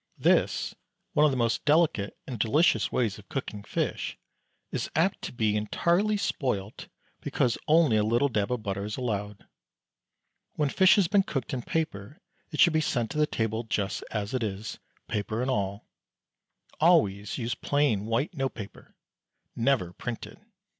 This, one of the most delicate and delicious ways of cooking fish, is apt to be entirely spoilt, because only a little dab of butter is allowed. When fish has been cooked in paper it should be sent to table just as it is, paper and all. Always use plain white note paper, never printed.